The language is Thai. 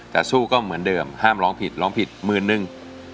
แต่สู้ก็เหมือนเดิมห้ามร้องผิดร้องผิดหมื่นนึง